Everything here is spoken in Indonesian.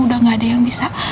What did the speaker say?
udah gak ada yang bisa